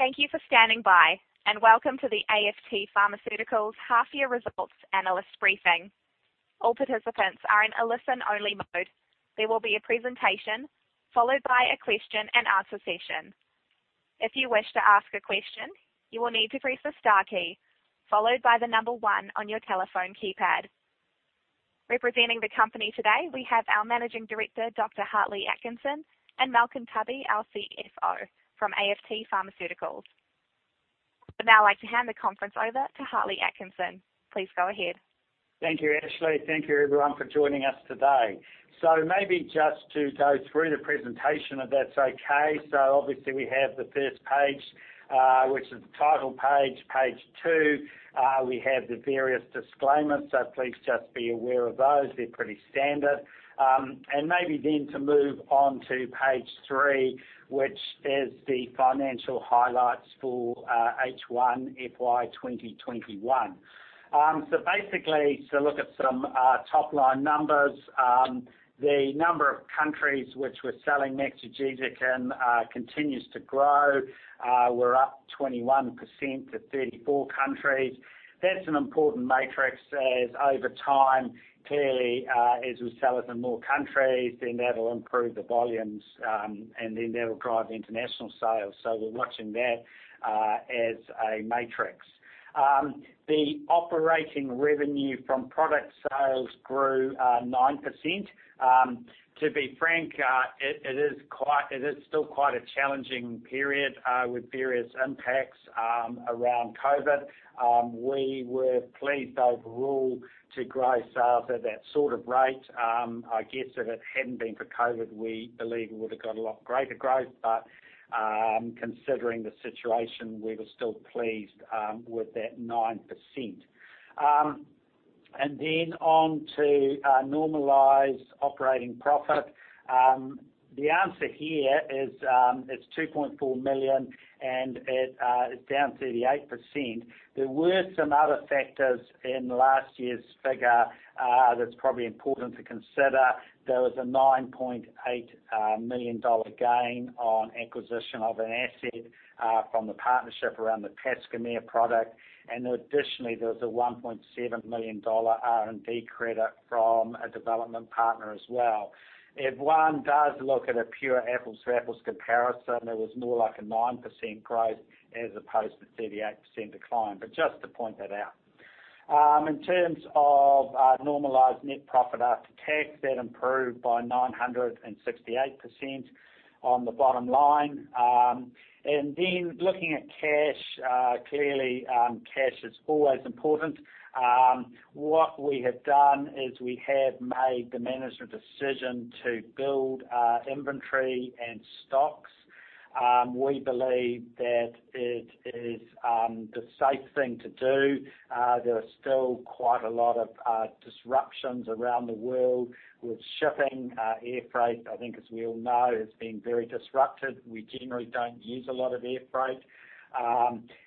Thank you for standing by, and welcome to the AFT Pharmaceuticals half-year results analyst briefing. All participants are in a listen-only mode. There will be a presentation, followed by a question and answer session. If you wish to ask your question, you will need to press the star key followed by number one on your telephone keypad. Representing the company today, we have our Managing Director, Dr. Hartley Atkinson, and Malcolm Tubby, our CFO from AFT Pharmaceuticals. I would now like to hand the conference over to Hartley Atkinson. Please go ahead. Thank you, Ashley. Thank you everyone for joining us today. Maybe just to go through the presentation, if that's okay. Obviously we have the first page, which is the title page. Page two, we have the various disclaimers. Please just be aware of those. They're pretty standard. Maybe then to move on to page three, which is the financial highlights for H1 FY 2021. Basically, to look at some top-line numbers, the number of countries which we're selling Maxigesic in continues to grow. We're up 21% to 34 countries. That's an important matrix as over time, clearly, as we sell it in more countries, then that'll improve the volumes, and then that'll drive international sales. We're watching that as a matrix. The operating revenue from product sales grew 9%. To be frank, it is still quite a challenging period, with various impacts around COVID. We were pleased overall to grow sales at that sort of rate. I guess if it hadn't been for COVID, we believe we would have got a lot greater growth, but considering the situation, we were still pleased with that 9%. Then on to normalized operating profit. The answer here is, it's 2.4 million, and it is down 38%. There were some other factors in last year's figure that's probably important to consider. There was a 9.8 million dollar gain on acquisition of an asset from the partnership around the Pascomer product. Additionally, there was a 1.7 million dollar R&D credit from a development partner as well. If one does look at a pure apples-to-apples comparison, it was more like a 9% growth as opposed to 38% decline. Just to point that out. In terms of normalized net profit after tax, that improved by 968% on the bottom line. Then looking at cash, clearly, cash is always important. What we have done is we have made the management decision to build our inventory and stocks. We believe that it is the safe thing to do. There are still quite a lot of disruptions around the world with shipping. Air freight, I think as we all know, has been very disrupted. We generally don't use a lot of air freight,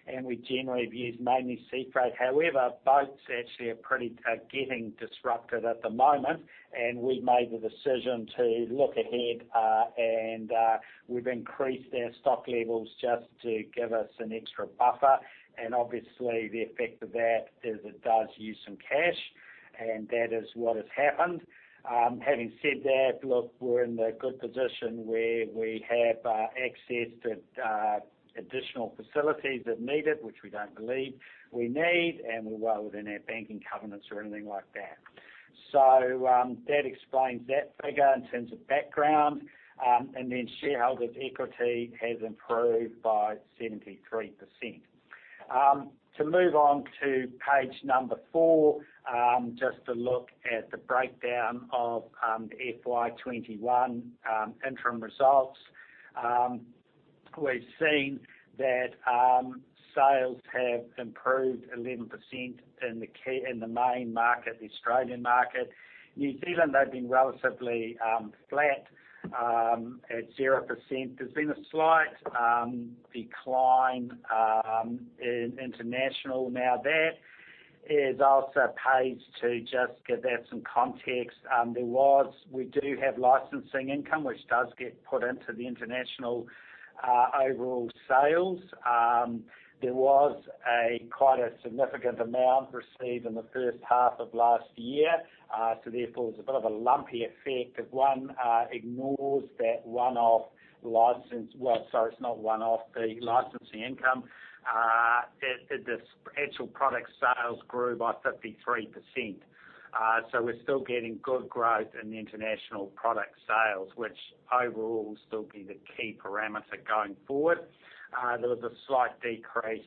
and we generally have used mainly sea freight. However, boats actually are getting disrupted at the moment, and we made the decision to look ahead, and we've increased our stock levels just to give us an extra buffer. Obviously, the effect of that is it does use some cash, and that is what has happened. Having said that, look, we're in a good position where we have access to additional facilities if needed, which we don't believe we need, and we're well within our banking covenants or anything like that. That explains that figure in terms of background. Shareholders' equity has improved by 73%. To move on to page number four, just to look at the breakdown of the FY 2021 interim results. We've seen that sales have improved 11% in the main market, the Australian market. New Zealand, they've been relatively flat at 0%. There's been a slight decline in international. That is also pays to just give that some context. We do have licensing income, which does get put into the international overall sales. There was quite a significant amount received in the first half of last year, therefore, there's a bit of a lumpy effect. If one ignores that one-off license Well, sorry, it's not one-off, the licensing income, the actual product sales grew by 53%. We're still getting good growth in the international product sales, which overall will still be the key parameter going forward. There was a slight decrease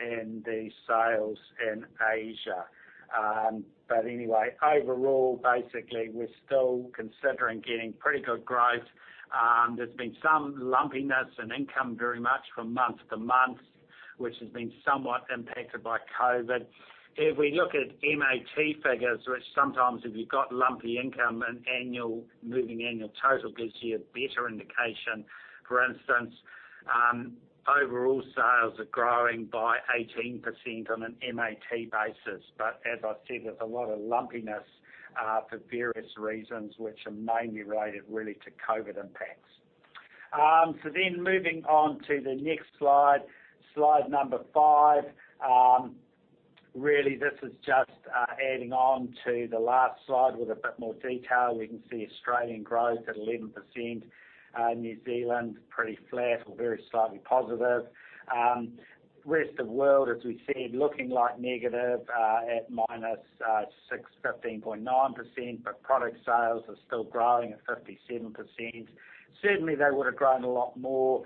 in the sales in Asia. Anyway, overall, basically, we're still considering getting pretty good growth. There's been some lumpiness in income very much from month to month, which has been somewhat impacted by COVID. If we look at MAT figures, which sometimes if you've got lumpy income, a moving annual total gives you a better indication. For instance, overall sales are growing by 18% on an MAT basis. As I've said, there's a lot of lumpiness for various reasons, which are mainly related really to COVID impacts. Moving on to the next slide, slide number five. Really, this is just adding on to the last slide with a bit more detail. We can see Australian growth at 11%, New Zealand pretty flat or very slightly positive. Rest of world, as we said, looking like negative at -15.9%, product sales are still growing at 57%. Certainly, they would've grown a lot more.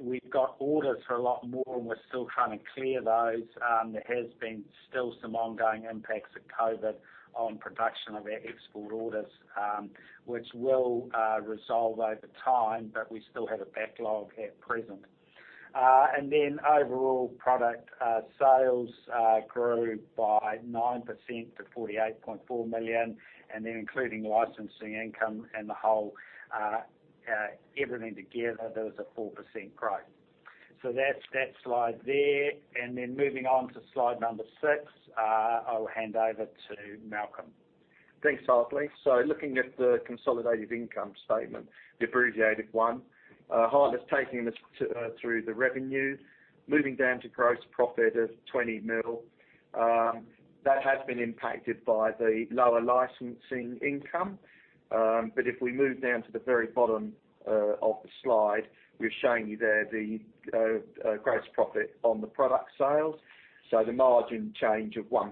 We've got orders for a lot more, we're still trying to clear those. There has been still some ongoing impacts of COVID on production of our export orders, which will resolve over time, we still have a backlog at present. Overall product sales grew by 9% to 48.4 million, including licensing income and everything together, there was a 4% growth. That's that slide there. Moving on to slide number six, I will hand over to Malcolm. Thanks, Hartley. Looking at the consolidated income statement, the abbreviated one. Hartley's taken us through the revenue. Moving down to gross profit of 20 million. That has been impacted by the lower licensing income. If we move down to the very bottom of the slide, we're showing you there the gross profit on the product sales, so the margin change of 1%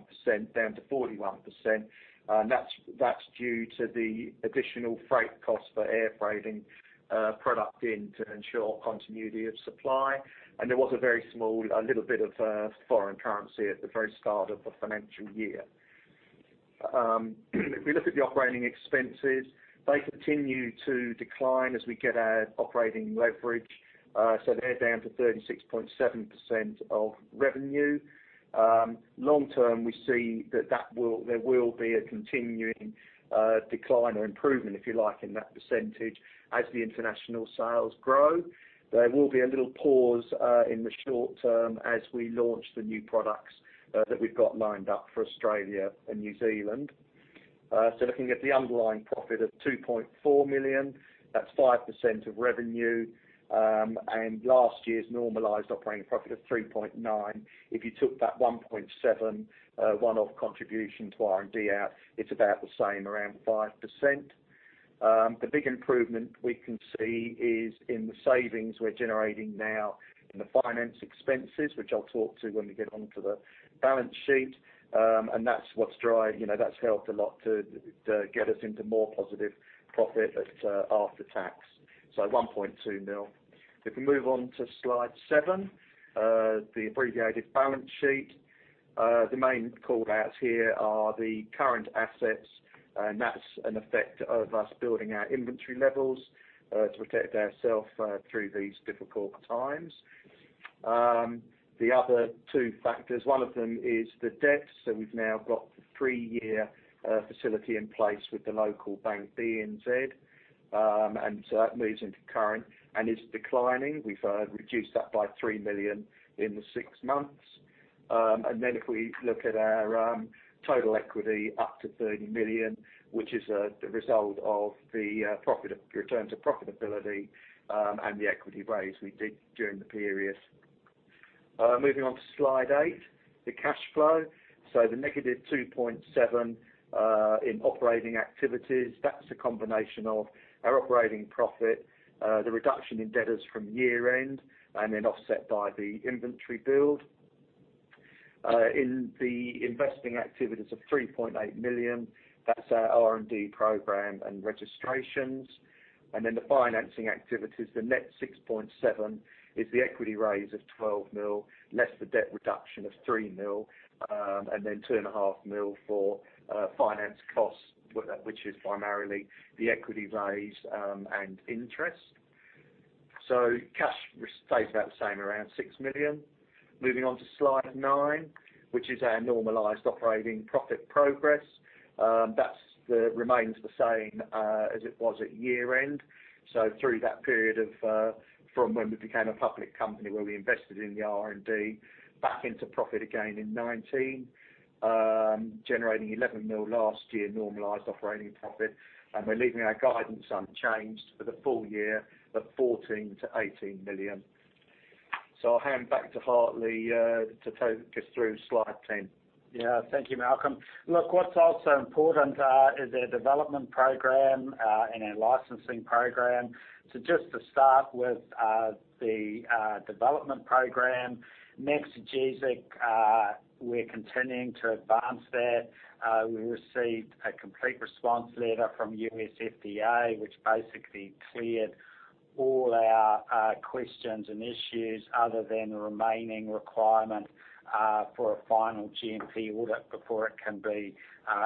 down to 41%. That's due to the additional freight cost for air freighting product in to ensure continuity of supply. There was a very small, little bit of foreign currency at the very start of the financial year. If we look at the operating expenses, they continue to decline as we get our operating leverage. They're down to 36.7% of revenue. Long term, we see that there will be a continuing decline or improvement, if you like, in that percentage as the international sales grow. There will be a little pause in the short term as we launch the new products that we've got lined up for Australia and New Zealand. Looking at the underlying profit of 2.4 million, that's 5% of revenue. Last year's normalized operating profit of 3.9. If you took that 1.7 one-off contribution to R&D out, it's about the same, around 5%. The big improvement we can see is in the savings we're generating now in the finance expenses, which I'll talk to when we get onto the balance sheet. That's helped a lot to get us into more positive profit at after tax. 1.2 million. If we move on to slide seven, the abbreviated balance sheet. The main call outs here are the current assets, and that's an effect of us building our inventory levels, to protect ourself through these difficult times. The other two factors, one of them is the debt. We've now got the three-year facility in place with the local bank, BNZ. That moves into current and is declining. We've reduced that by 3 million in the six months. If we look at our total equity up to 30 million, which is the result of the return to profitability, and the equity raise we did during the period. Moving on to slide eight, the cash flow. The -2.7, in operating activities, that's a combination of our operating profit, the reduction in debtors from year end, and then offset by the inventory build. In the investing activities of 3.8 million, that's our R&D program and registrations. The financing activities, the net 6.7 is the equity raise of 12 mil, less the debt reduction of 3 mil, and then 2.5 mil for finance costs, which is primarily the equity raise and interest. Cash stays about the same, around 6 million. Moving on to slide nine, which is our normalized operating profit progress. That remains the same as it was at year end. Through that period from when we became a public company, where we invested in the R&D back into profit again in 2019, generating 11 mil last year normalized operating profit. We're leaving our guidance unchanged for the full year of 14 million-18 million. I'll hand back to Hartley, to take us through slide 10. Yeah. Thank you, Malcolm. Look, what's also important is our development program, and our licensing program. Just to start with the development program, Maxigesic, we're continuing to advance that. We received a Complete Response Letter from U.S. FDA, which basically cleared all our questions and issues other than the remaining requirement for a final GMP audit before it can be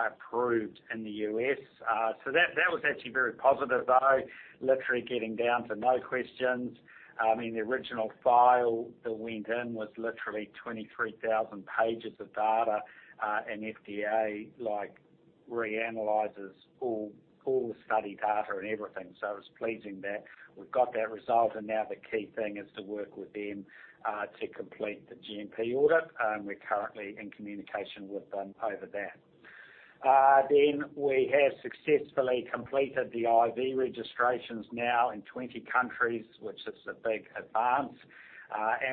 approved in the U.S. That was actually very positive, though. Literally getting down to no questions. The original file that went in was literally 23,000 pages of data, FDA reanalyzes all the study data and everything. It's pleasing that we've got that result, and now the key thing is to work with them to complete the GMP audit. We're currently in communication with them over that. We have successfully completed the IV registrations now in 20 countries, which is a big advance.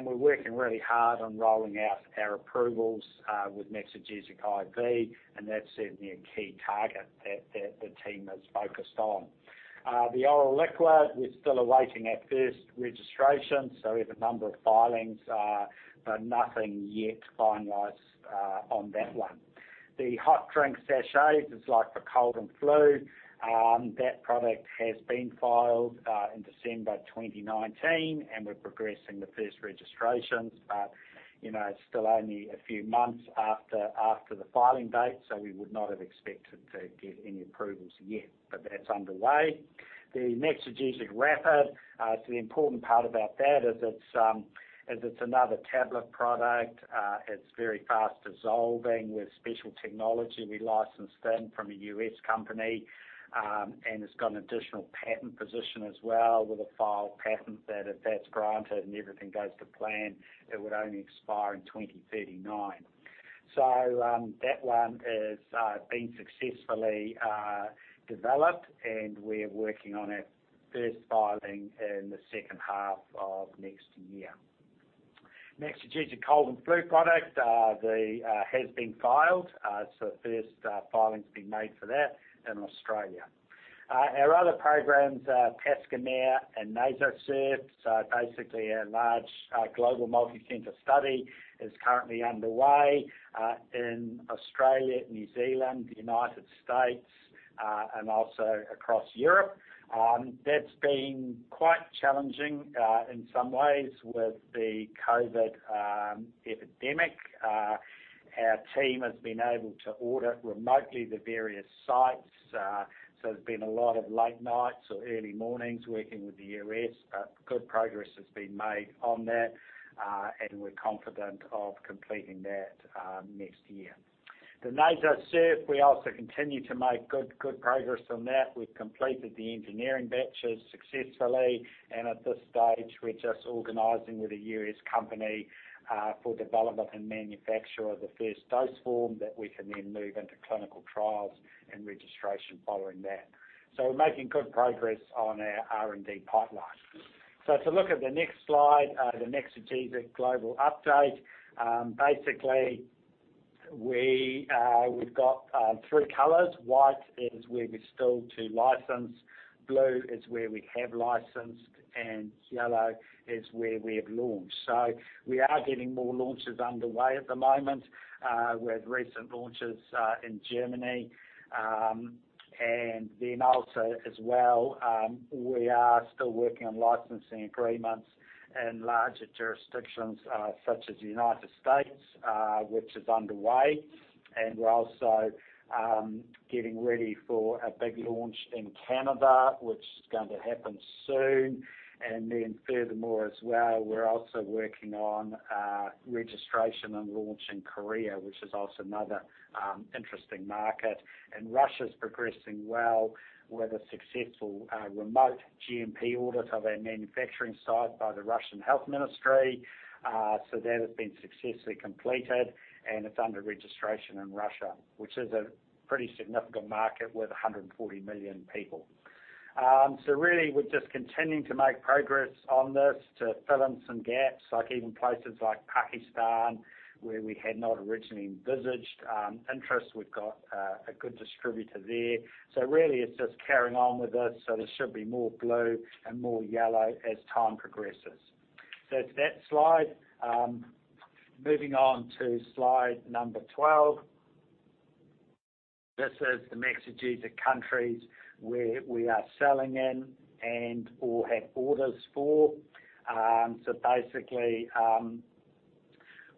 We're working really hard on rolling out our approvals with Maxigesic IV, and that's certainly a key target that the team is focused on. The oral liquid, we're still awaiting our first registration, so we have a number of filings, but nothing yet to finalize on that one. The hot drink sachets, it's like for cold and flu. That product has been filed in December 2019, and we're progressing the first registrations. It's still only a few months after the filing date, so we would not have expected to get any approvals yet. That's underway. The Maxigesic Rapid, so the important part about that is it's another tablet product. It's very fast-dissolving with special technology we licensed then from a U.S. company. It's got an additional patent position as well with a filed patent that, if that's granted and everything goes to plan, it would only expire in 2039. That one has been successfully developed, and we're working on our first filing in the second half of next year. Maxigesic Cold & Flu product has been filed. The first filing's been made for that in Australia. Our other programs, Pascomer and NasoSURF, so basically our large global multicenter study is currently underway in Australia, New Zealand, the U.S., and also across Europe. That's been quite challenging in some ways with the COVID epidemic. Our team has been able to audit remotely the various sites, so there's been a lot of late nights or early mornings working with the U.S. Good progress has been made on that, and we're confident of completing that next year. The NasoSURF, we also continue to make good progress on that. We've completed the engineering batches successfully, at this stage, we're just organizing with a U.S. company, for development and manufacture of the first dose form that we can then move into clinical trials and registration following that. We're making good progress on our R&D pipeline. To look at the next slide, the Maxigesic global update. Basically, we've got three colors. White is where we're still to license, blue is where we have licensed, yellow is where we have launched. We are getting more launches underway at the moment, with recent launches in Germany. Also as well, we are still working on licensing agreements in larger jurisdictions, such as the United States, which is underway. We're also getting ready for a big launch in Canada, which is going to happen soon. Furthermore as well, we're also working on registration and launch in Korea, which is also another interesting market. Russia's progressing well with a successful remote GMP audit of our manufacturing site by the Russian Health Ministry. That has been successfully completed, and it's under registration in Russia, which is a pretty significant market with 140 million people. Really, we're just continuing to make progress on this to fill in some gaps, like even places like Pakistan where we had not originally envisaged interest. We've got a good distributor there. Really it's just carrying on with this, there should be more blue and more yellow as time progresses. That's that slide. Moving on to slide number 12. This is the Maxigesic countries where we are selling in and/or have orders for. Basically,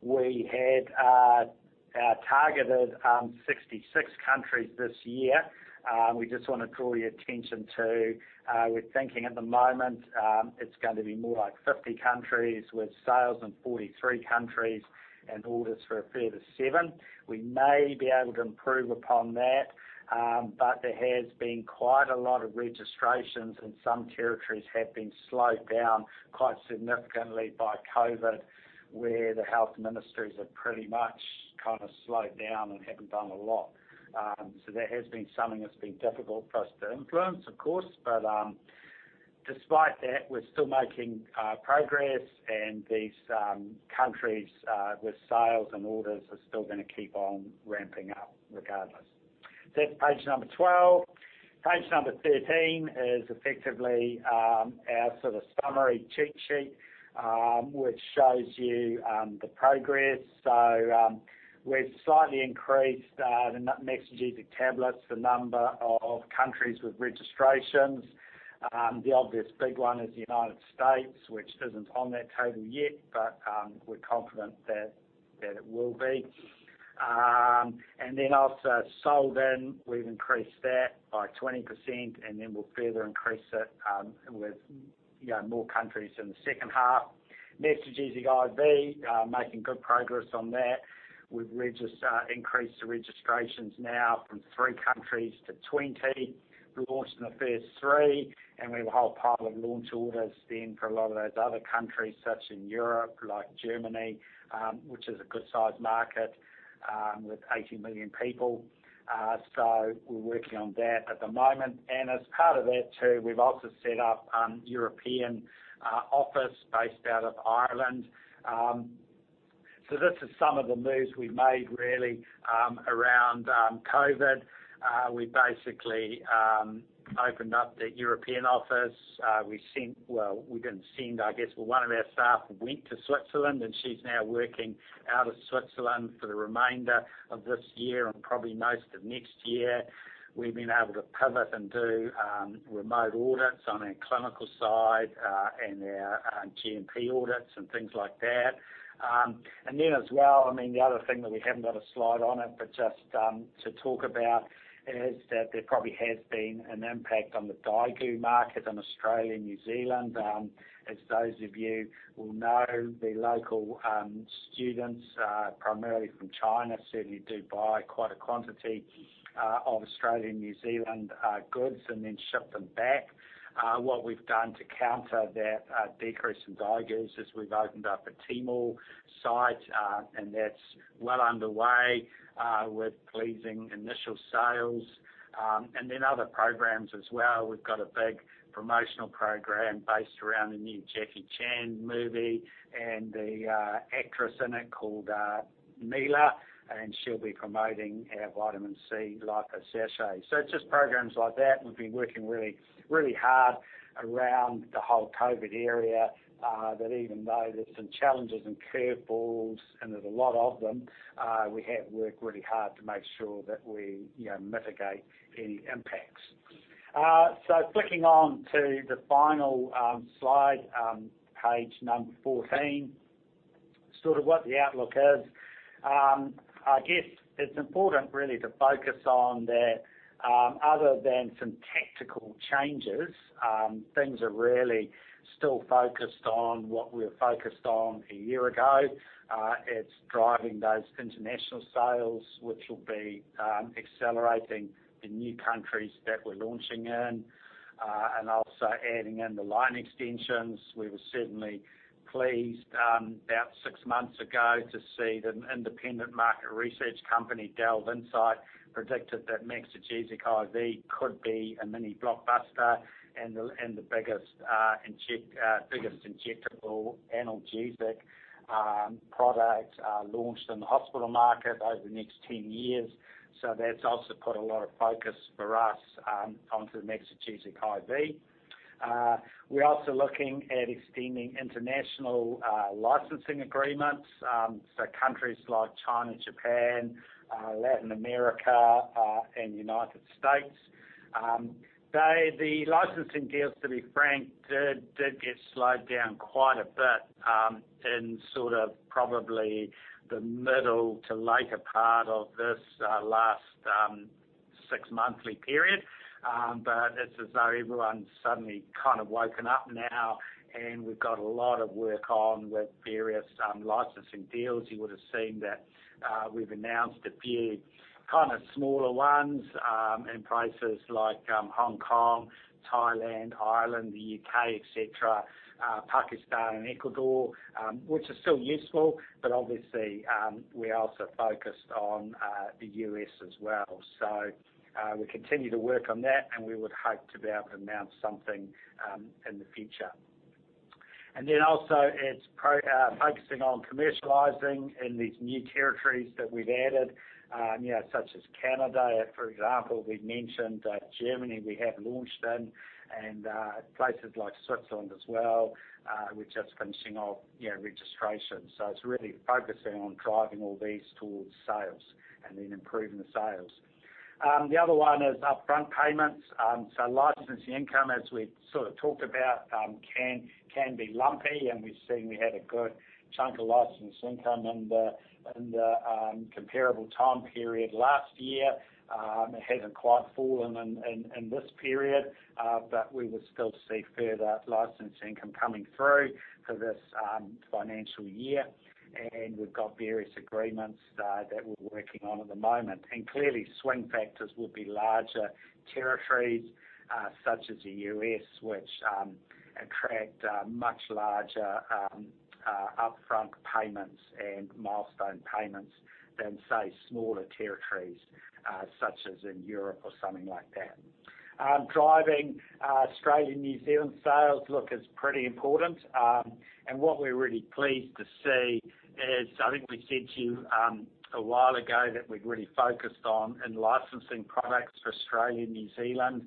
we had targeted 66 countries this year. We just want to draw your attention to, we're thinking at the moment, it's going to be more like 50 countries with sales in 43 countries and orders for a further seven. There has been quite a lot of registrations in some territories have been slowed down quite significantly by COVID, where the health ministries have pretty much kind of slowed down and haven't done a lot. That has been something that's been difficult for us to influence, of course. Despite that, we're still making progress, and these countries with sales and orders are still going to keep on ramping up regardless. That's page number 12. Page number 13 is effectively our sort of summary cheat sheet, which shows you the progress. We've slightly increased the Maxigesic tablets, the number of countries with registrations. The obvious big one is the United States, which isn't on that table yet, but we're confident that it will be. Also sold in, we've increased that by 20%, and then we'll further increase it with more countries in the second half. Maxigesic IV, making good progress on that. We've increased the registrations now from three countries to 20. We launched in the first three, and we have a whole pile of launch orders then for a lot of those other countries, such in Europe, like Germany, which is a good size market with 80 million people. We're working on that at the moment. As part of that, too, we've also set up European office based out of Ireland. This is some of the moves we've made really around COVID. We basically opened up the European office. We didn't send, I guess. Well, one of our staff went to Switzerland, and she's now working out of Switzerland for the remainder of this year and probably most of next year. We've been able to pivot and do remote audits on our clinical side, and our GMP audits, and things like that. As well, the other thing that we haven't got a slide on it, but just to talk about is that there probably has been an impact on the Daigou market in Australia and New Zealand. As those of you will know, the local students, primarily from China, certainly do buy quite a quantity of Australian and New Zealand goods and then ship them back. What we've done to counter that decrease in Daigou is we've opened up a Tmall site, and that's well underway with pleasing initial sales. Other programs as well. We've got a big promotional program based around the new Jackie Chan movie and the actress in it called Neila, and she'll be promoting our vitamin C Lipo-Sachets. It's just programs like that. We've been working really hard around the whole COVID area, that even though there's some challenges and curve balls, and there's a lot of them, we have worked really hard to make sure that we mitigate any impacts. Clicking on to the final slide, page number 14, sort of what the outlook is. I guess it's important really to focus on that other than some tactical changes, things are really still focused on what we were focused on a year ago. It's driving those international sales, which will be accelerating the new countries that we're launching in, and also adding in the line extensions. We were certainly pleased about six months ago to see an independent market research company, DelveInsight, predicted that Maxigesic IV could be a mini blockbuster and the biggest injectable analgesic product launched in the hospital market over the next 10 years. That's also put a lot of focus for us onto Maxigesic IV. We're also looking at extending international licensing agreements, so countries like China, Japan, Latin America, and United States. The licensing deals, to be frank, did get slowed down quite a bit in sort of probably the middle to later part of this last six monthly period. It's as though everyone's suddenly kind of woken up now, and we've got a lot of work on with various licensing deals. You would've seen that we've announced a few kind of smaller ones in places like Hong Kong, Thailand, Ireland, the U.K., et cetera, Pakistan, and Ecuador, which are still useful. Obviously, we are also focused on the U.S. as well. We continue to work on that. We would hope to be able to announce something in the future. Then also it's focusing on commercializing in these new territories that we've added, such as Canada, for example. We've mentioned Germany, we have launched in, places like Switzerland as well. We're just finishing off registration. It's really focusing on driving all these towards sales. Then improving the sales. The other one is upfront payments. Licensing income, as we've sort of talked about, can be lumpy. We've seen we had a good chunk of licensing income in the comparable time period last year. It hasn't quite fallen in this period. We would still see further licensing income coming through for this financial year, and we've got various agreements that we're working on at the moment. Clearly, swing factors will be larger territories, such as the U.S., which attract much larger upfront payments and milestone payments than, say, smaller territories, such as in Europe or something like that. Driving Australia, New Zealand sales, look, is pretty important. What we're really pleased to see is, I think we said to you a while ago that we'd really focused on in-licensing products for Australia, New Zealand.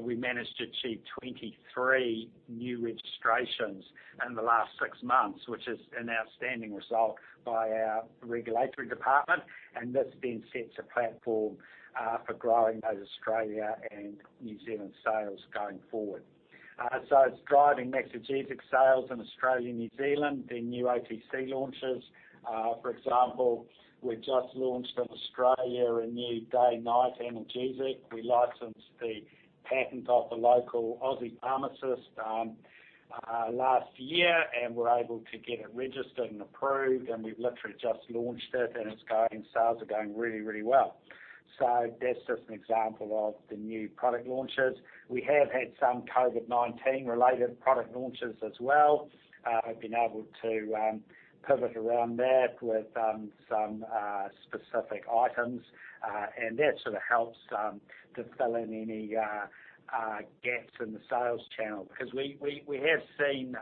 We managed to achieve 23 new registrations in the last six months, which is an outstanding result by our regulatory department. This then sets a platform for growing those Australia and New Zealand sales going forward. It's driving Maxigesic sales in Australia, New Zealand, the new OTC launches. For example, we just launched in Australia a new day-night analgesic. We licensed the patent off a local Aussie pharmacist last year, we were able to get it registered and approved, we've literally just launched it, sales are going really well. That's just an example of the new product launches. We have had some COVID-19 related product launches as well. We have been able to pivot around that with some specific items. That sort of helps to fill in any gaps in the sales channel. We have seen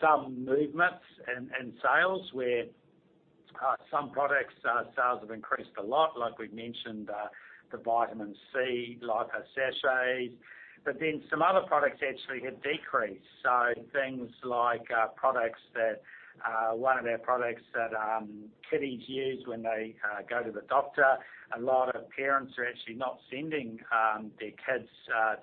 some movements in sales where some products sales have increased a lot, like we've mentioned, the vitamin C Lipo-Sachets. Some other products actually have decreased. Things like one of our products that kiddies use when they go to the doctor. A lot of parents are actually not sending their kids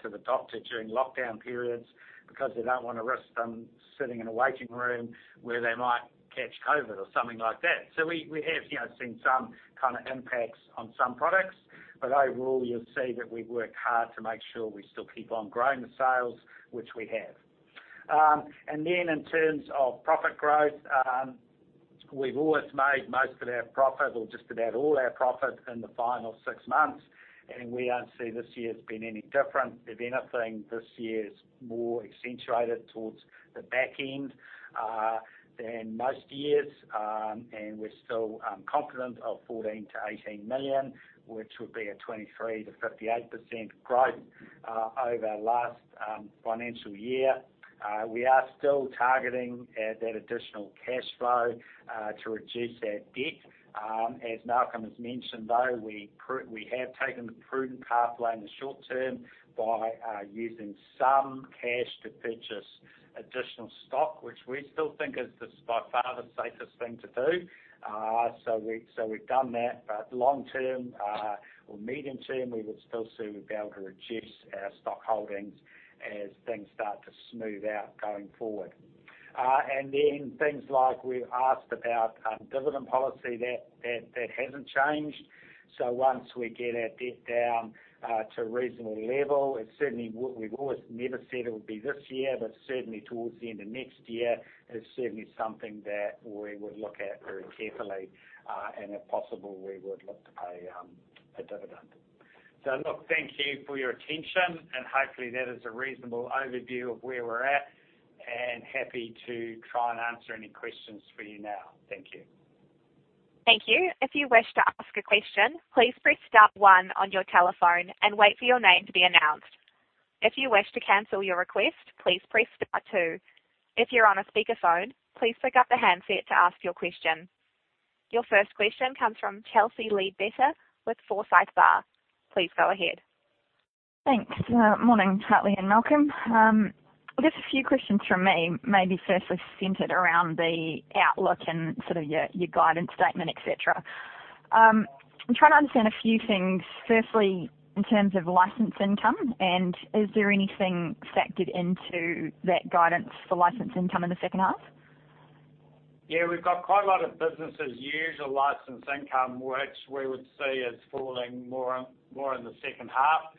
to the doctor during lockdown periods because they don't want to risk them sitting in a waiting room where they might catch COVID or something like that. We have seen some kind of impacts on some products, but overall, you'll see that we've worked hard to make sure we still keep on growing the sales, which we have. In terms of profit growth, we've always made most of our profit or just about all our profit in the final 6 months, and we don't see this year as being any different. If anything, this year is more accentuated towards the back end than most years. We're still confident of 14 million-18 million, which would be a 23%-58% growth over our last financial year. We are still targeting that additional cash flow to reduce our debt. As Malcolm has mentioned, though, we have taken the prudent pathway in the short term by using some cash to purchase additional stock, which we still think is by far the safest thing to do. We've done that, but long term or medium term, we would still soon be able to reduce our stock holdings as things start to smooth out going forward. Things like we're asked about dividend policy, that hasn't changed. Once we get our debt down to a reasonable level, we've always never said it would be this year, but certainly towards the end of next year is certainly something that we would look at very carefully. If possible, we would look to pay a dividend. Look, thank you for your attention, and hopefully that is a reasonable overview of where we're at, and happy to try and answer any questions for you now. Thank you. Thank you. If you wish to ask your question, please press star one on your telephone and wait for your name to be announced. If you wish to cancel your queue, please press star two. If you are on a speakerphone, please forgot the handset to ask your question. Your first question comes from Chelsea Leadbetter with Forsyth Barr. Please go ahead. Thanks. Morning, Hartley and Malcolm. I guess a few questions from me, maybe firstly centered around the outlook and sort of your guidance statement, et cetera. I'm trying to understand a few things. Firstly, in terms of license income, and is there anything factored into that guidance for license income in the second half? Yeah, we've got quite a lot of business as usual license income, which we would see as falling more in the second half,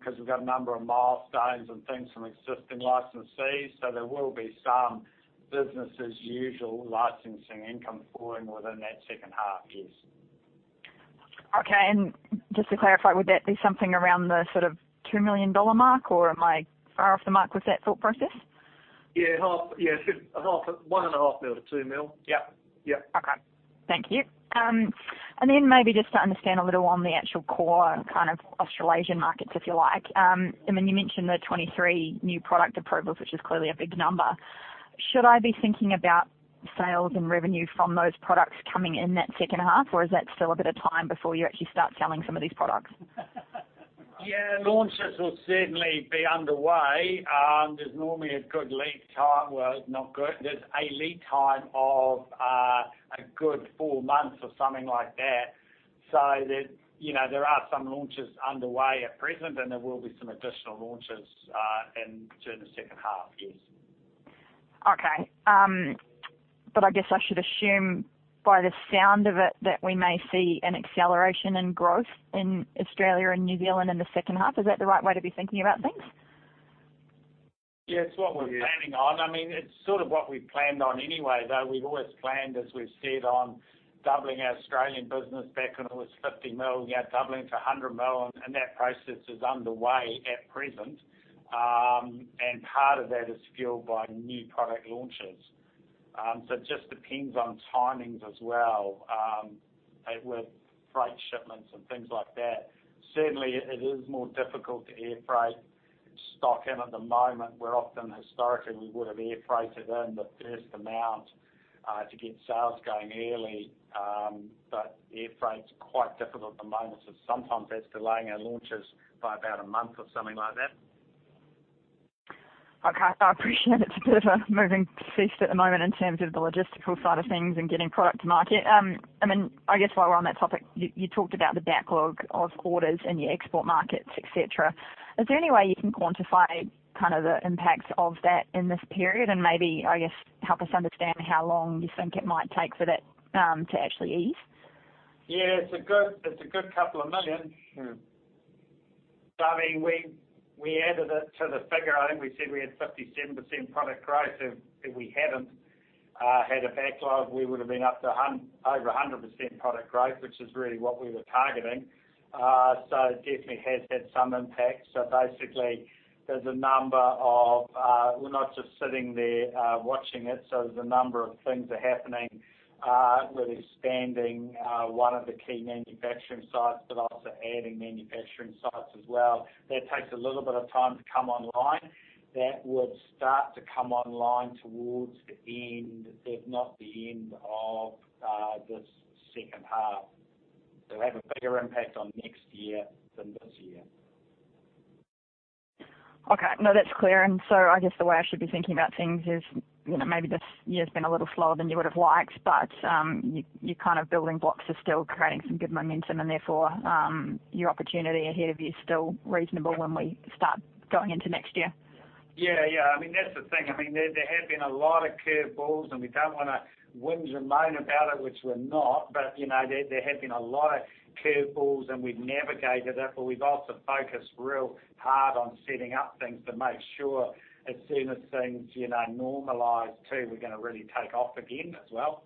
because we've got a number of milestones and things from existing licensees. There will be some business as usual licensing income falling within that second half, yes. Okay. Just to clarify, would that be something around the sort of 2 million dollar mark, or am I far off the mark with that thought process? Yeah. 1.5 million-2 million. Yep. Okay. Thank you. Maybe just to understand a little on the actual core kind of Australasian markets, if you like. You mentioned the 23 new product approvals, which is clearly a big number. Should I be thinking about sales and revenue from those products coming in that second half, or is that still a bit of time before you actually start selling some of these products? Yeah. Launches will certainly be underway. There's normally a good lead time. Well, not good. There's a lead time of a good four months or something like that. There are some launches underway at present, and there will be some additional launches in turn the second half, yes. Okay. I guess I should assume by the sound of it that we may see an acceleration in growth in Australia and New Zealand in the second half. Is that the right way to be thinking about things? Yeah. It's what we're planning on. It's sort of what we planned on anyway, though. We've always planned, as we've said, on doubling our Australian business back when it was 50 million, now doubling to 100 million. That process is underway at present. Part of that is fueled by new product launches. It just depends on timings as well, with freight shipments and things like that. Certainly, it is more difficult to air freight stock in at the moment, where often historically we would have air freighted in the first amount to get sales going early. Air freight's quite difficult at the moment. Sometimes that's delaying our launches by about a month or something like that. Okay. I appreciate it's a bit of a moving feast at the moment in terms of the logistical side of things and getting product to market. I guess while we're on that topic, you talked about the backlog of orders in your export markets, et cetera. Is there any way you can quantify the impacts of that in this period, and maybe help us understand how long you think it might take for that to actually ease? It's a good NZD couple of million. We added it to the figure. I think we said we had 57% product growth. If we hadn't had a backlog, we would've been up to over 100% product growth, which is really what we were targeting. It definitely has had some impact. Basically, we're not just sitting there watching it. There's a number of things are happening. We're expanding one of the key manufacturing sites, but also adding manufacturing sites as well. That takes a little bit of time to come online. That would start to come online towards the end, if not the end of this second half. It'll have a bigger impact on next year than this year. Okay. No, that's clear. I guess the way I should be thinking about things is, maybe this year's been a little slower than you would've liked, but your building blocks are still creating some good momentum and therefore, your opportunity ahead of you is still reasonable when we start going into next year. That's the thing. There have been a lot of curveballs and we don't want to whinge and moan about it, which we're not, but there have been a lot of curveballs and we've navigated it, but we've also focused real hard on setting up things to make sure as soon as things normalize too, we're going to really take off again as well.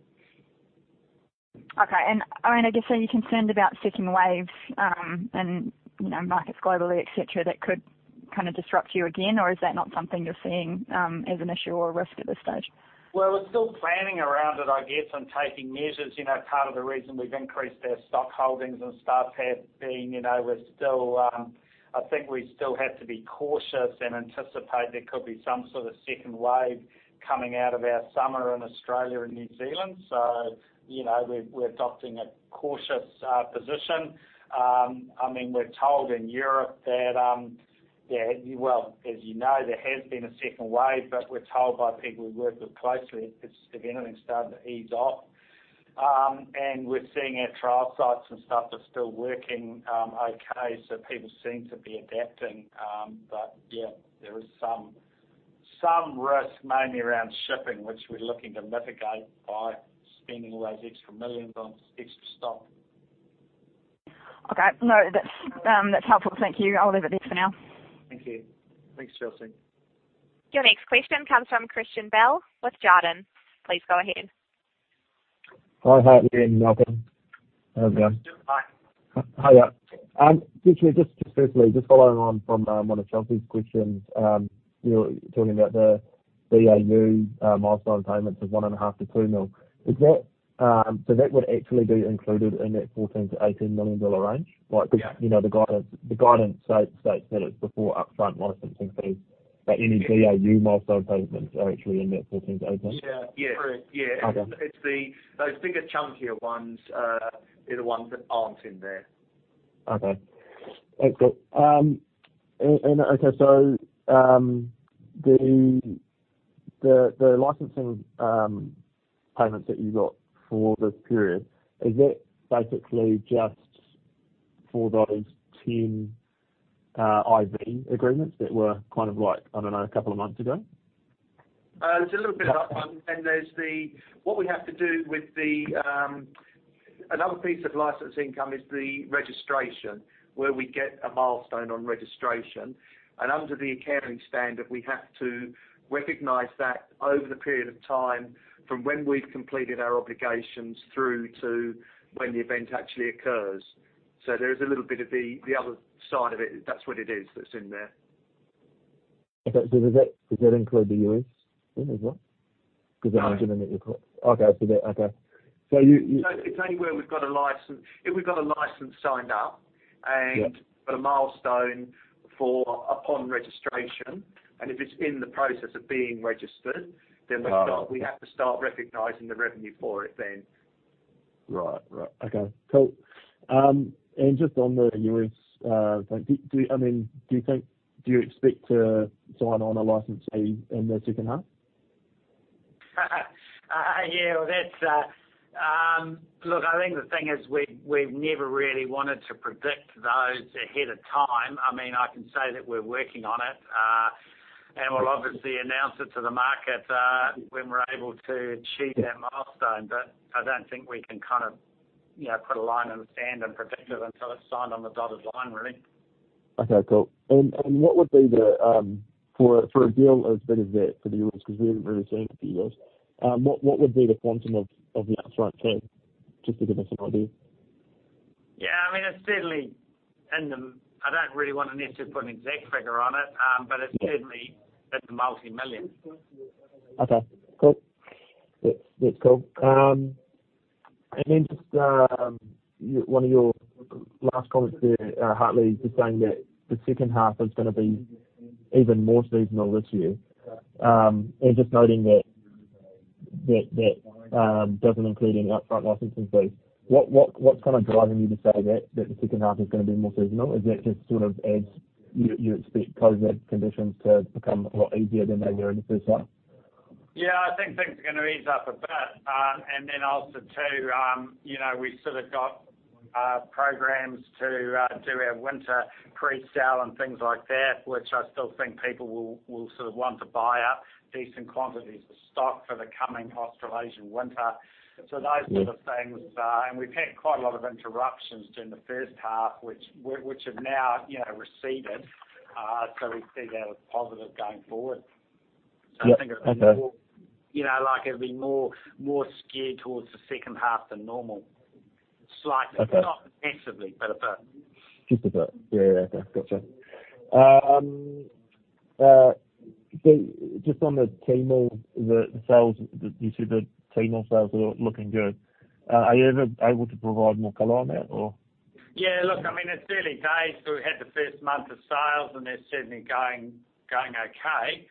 Okay. I guess, are you concerned about second waves and markets globally, et cetera, that could disrupt you again? Or is that not something you're seeing as an issue or a risk at this stage? Well, we're still planning around it, I guess, and taking measures. Part of the reason we've increased our stock holdings and stuff has been, I think we still have to be cautious and anticipate there could be some sort of second wave coming out of our summer in Australia and New Zealand. We're adopting a cautious position. We're told in Europe that, well, as you know, there has been a second wave, but we're told by people we work with closely, if anything, it's starting to ease off. We're seeing our trial sites and stuff are still working okay, so people seem to be adapting. Yeah, there is some risk, mainly around shipping, which we're looking to mitigate by spending all those extra millions on extra stock. Okay. No, that's helpful. Thank you. I'll leave it there for now. Thank you. Thanks, Chelsea. Your next question comes from Christian Bell with Jarden. Please go ahead. Hi, Hartley and Malcolm. How's it going? Just fine. Hi. Actually, just firstly, just following on from one of Chelsea's questions, you were talking about the BAU milestone payments of 1.5 million-2 million. That would actually be included in that 14 million-18 million dollar range? Yeah. The guidance states that it's before upfront licensing fees, but any BAU milestone payments are actually in that NZD 14 million-NZD 18 million? Yeah. Correct. Okay. It's those bigger chunkier ones are the ones that aren't in there. Okay. Thanks. Okay, the licensing payments that you got for this period, is that basically just for those 18 IV agreements that were, I don't know, a couple of months ago? There's a little bit of upfront, and then what we have to do with another piece of license income is the registration, where we get a milestone on registration. Under the accounting standard, we have to recognize that over the period of time from when we've completed our obligations through to when the event actually occurs. There is a little bit of the other side of it. That's what it is that's in there. Okay. Does that include the U.S. in as well? No. Okay. No, it's only where we've got a license signed up and- Yeah put a milestone for upon registration, and if it's in the process of being registered- Oh We have to start recognizing the revenue for it then. Right. Okay, cool. Just on the U.S. thing, do you expect to sign on a licensee in the second half? Yeah. Look, I think the thing is, we've never really wanted to predict those ahead of time. I can say that we're working on it. We'll obviously announce it to the market when we're able to achieve that milestone. I don't think we can put a line in the sand and predict it until it's signed on the dotted line, really. Okay, cool. For a deal as big as that for the U.S., because we haven't really seen it for the U.S., what would be the quantum of the upfront fee? Just to give us an idea. Yeah. I don't really want to necessarily put an exact figure on it. It's certainly, it's multi-million. Okay, cool. That's cool. Just one of your last comments there, Hartley, just saying that the second half is going to be even more seasonal this year. Just noting that that doesn't include any upfront licensing fees. What's kind of driving you to say that the second half is going to be more seasonal? Is that just sort of as you expect COVID conditions to become a lot easier than they were in the first half? Yeah, I think things are going to ease up a bit. Also too, we sort of got programs to do our winter pre-sale and things like that, which I still think people will sort of want to buy up decent quantities of stock for the coming Australasian winter. Sort of things. We've had quite a lot of interruptions during the first half, which have now receded. We see that as positive going forward. Yeah. Okay. I think it'll be more skewed towards the second half than normal, slightly. Okay. Not massively, but a bit. Just a bit. Yeah. Okay. Got you. Just on the Tmall, the sales, you said that Tmall sales are looking good. Are you ever able to provide more color on that or? Yeah, look, it's early days. We had the first month of sales, and they're certainly going okay.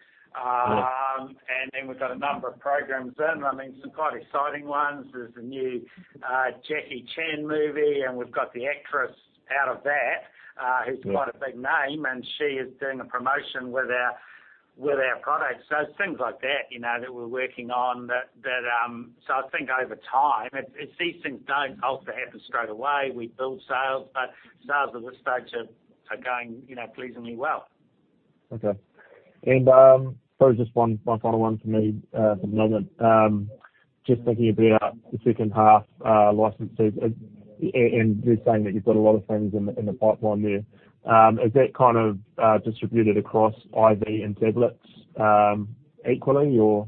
We've got a number of programs in, some quite exciting ones. There's a new Jackie Chan movie, and we've got the actress out of that. Yeah who's quite a big name. She is doing a promotion with our products. It's things like that we're working on. I think over time, these things don't also happen straight away. We build sales. Sales at this stage are going pleasingly well. Okay. Probably just one final one from me for the moment. Just thinking about the second half licenses and you saying that you've got a lot of things in the pipeline there, is that kind of distributed across IV and tablets equally, or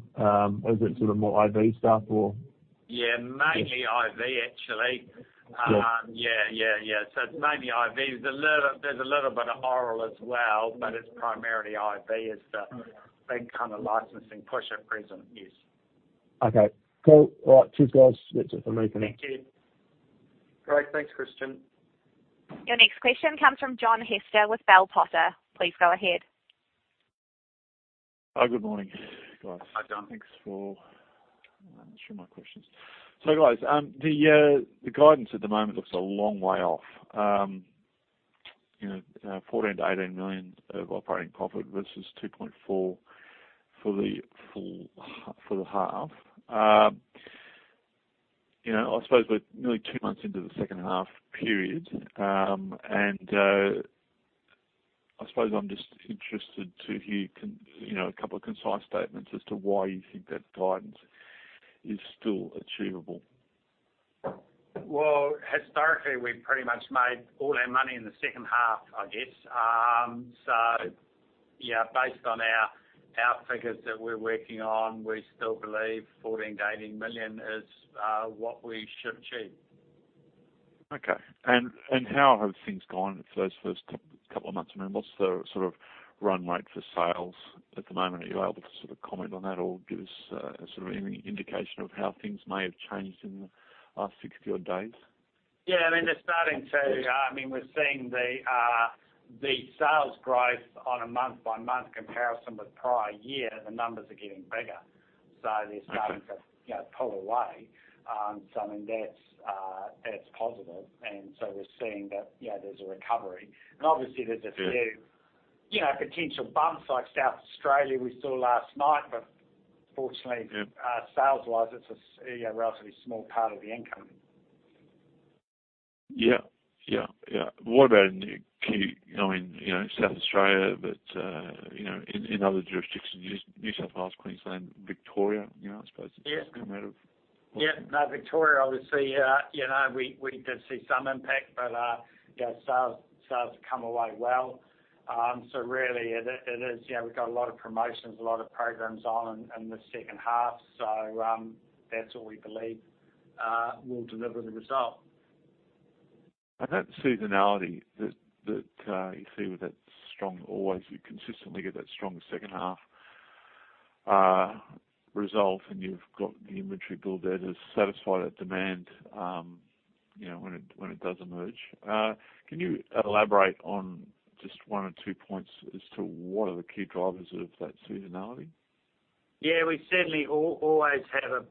is it sort of more IV stuff or? Yeah, mainly IV, actually. Yeah. Yeah. It's mainly IV. There's a little bit of oral as well, but it's primarily IV is the. Okay big kind of licensing push at present. Yes. Okay. Cool. All right. Cheers guys. That's it from me for now. Thank you. Great. Thanks, Christian. Your next question comes from John Hester with Bell Potter. Please go ahead. Oh, good morning, guys. Hi, John. Thanks for taking my questions. guys, the guidance at the moment looks a long way off. 14 million-18 million of operating profit versus 2.4 million for the half. I suppose we're nearly two months into the second half period, and I suppose I'm just interested to hear a couple of concise statements as to why you think that guidance is still achievable. Well, historically, we've pretty much made all our money in the second half, I guess. Yeah, based on our figures that we're working on, we still believe 14 million-18 million is what we should achieve. Okay. How have things gone for those first couple of months? What's the sort of run rate for sales at the moment? Are you able to comment on that or give us any indication of how things may have changed in the last 60 odd days? They're starting to. We're seeing the sales growth on a month-by-month comparison with prior year, the numbers are getting bigger. They're starting to pull away. I mean, that's positive, and so we're seeing that there's a recovery. Obviously there's. Yeah A few potential bumps like South Australia we saw last night. Yeah Sales wise, it's a relatively small part of the income. Yeah. What about in South Australia, but in other jurisdictions, New South Wales, Queensland, Victoria, I suppose? Yeah has come out of- Yeah. No, Victoria, obviously, we did see some impact, but our sales come away well. Really, we've got a lot of promotions, a lot of programs on in the second half. That's what we believe will deliver the result. That seasonality that you see with that strong, or you consistently get that strong second half result, and you've got the inventory build there to satisfy that demand, when it does emerge. Can you elaborate on just one or two points as to what are the key drivers of that seasonality? We certainly always have a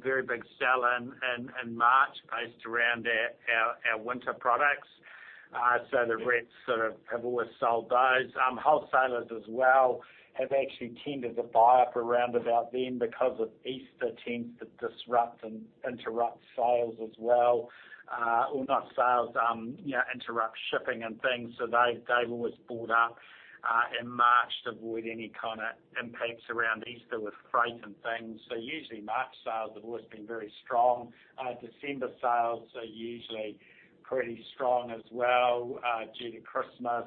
very big sale in March based around our winter products. The reps sort of have always sold those. Wholesalers as well have actually tended to buy up around about then because of Easter tends to disrupt and interrupt sales as well, or not sales, interrupt shipping and things. They've always bought up in March to avoid any kind of impacts around Easter with freight and things. Usually March sales have always been very strong. December sales are usually pretty strong as well due to Christmas.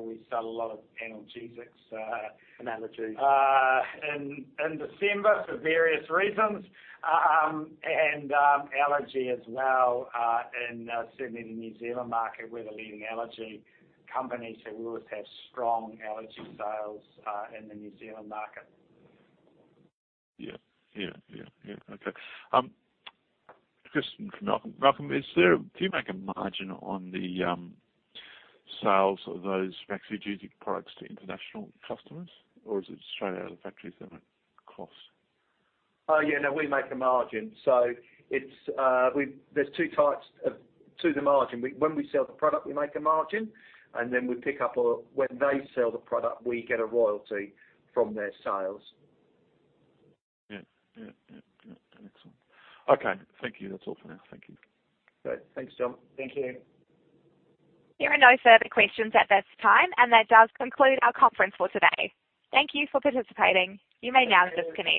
We sell a lot of analgesics. Analgesics in December for various reasons. Allergy as well, in certainly the New Zealand market. We're the leading allergy company, so we always have strong allergy sales in the New Zealand market. Yeah. Okay. A question for Malcolm. Malcolm, do you make a margin on the sales of those Maxigesic products to international customers, or is it straight out of the factories, no cost? Oh yeah, no, we make a margin. There's two types to the margin. When we sell the product, we make a margin, and then when they sell the product, we get a royalty from their sales. Yeah. Excellent. Okay. Thank you. That's all for now. Thank you. Great. Thanks, John. Thank you. There are no further questions at this time. That does conclude our conference for today. Thank you for participating. You may now disconnect.